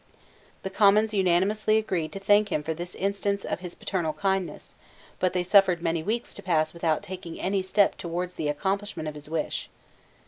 The Commons unanimously agreed to thank him for this instance of his paternal kindness: but they suffered many weeks to pass without taking any step towards the accomplishment of his wish.